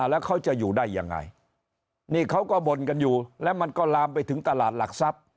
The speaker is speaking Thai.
แล้วเขาจะอยู่ได้ยังไงนี่เขาก็บ่นกันอยู่แล้วมันก็ลามไปถึงตลาดหลักทรัพย์